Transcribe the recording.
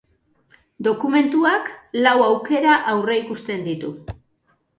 Dokumentuak lau aukera aurreikusten ditu.